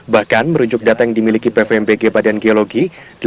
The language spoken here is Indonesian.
bahkan merujuk data yang dimiliki pvmbg badan geologi